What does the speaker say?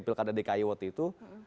pilkada dki woti itu